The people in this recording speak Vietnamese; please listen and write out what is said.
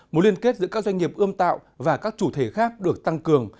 mối liên kết giữa các doanh nghiệp ươm tạo và các chủ thể khác được tăng cường